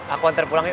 aku hantar pulang yuk